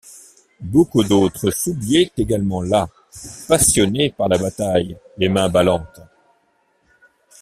Beaucoup d’autres s’oubliaient également là, passionnés par la bataille, les mains ballantes.